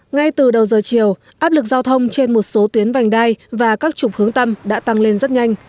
ngay từ đầu giờ chiều áp lực giao thông trên một số tuyến vành đai và các trục hướng tâm đã tăng lên rất nhanh